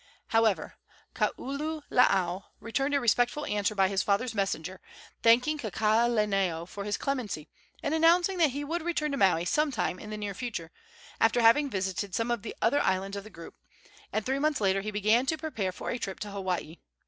However, Kaululaau returned a respectful answer by his father's messenger, thanking Kakaalaneo for his clemency, and announcing that he would return to Maui some time in the near future, after having visited some of the other islands of the group; and three months later he began to prepare for a trip to Hawaii.